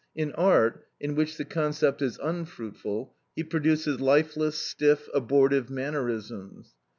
In art, in which the concept is unfruitful, he produces lifeless, stiff, abortive mannerisms.